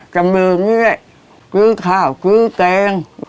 จำนวนเนี่ยซื้อข้าวซื้อเกง